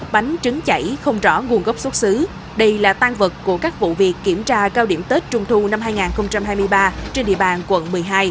bánh trứng chảy không rõ nguồn gốc xuất xứ đây là tan vật của các vụ việc kiểm tra cao điểm tết trung thu năm hai nghìn hai mươi ba trên địa bàn quận một mươi hai